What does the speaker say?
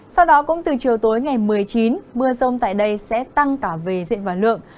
sau đó cũng từ chiều tối ngày một mươi chín mưa rông tại đây sẽ tăng cả về diện và lượng